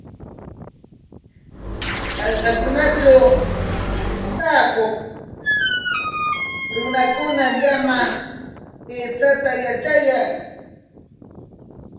Hallqakunatraw taakuq runakunam llama aychata yatrayan.